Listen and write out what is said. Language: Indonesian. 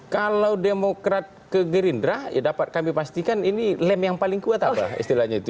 kalau demokrat ke gerindra ya dapat kami pastikan ini lem yang paling kuat apa istilahnya itu